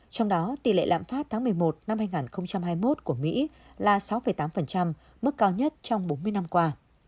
trong đó tỷ lệ lạm phát tháng một mươi một năm hai nghìn hai mươi một của mỹ là sáu tám mức cao nhất trong bốn mươi năm qua